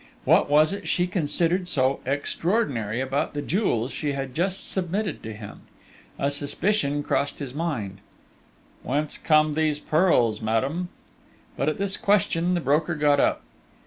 What was it she considered so "extraordinary" about the jewels she had just submitted to him?... A suspicion flashed across his mind. "Whence come these pearls, madame?" But, at this question, the broker got up.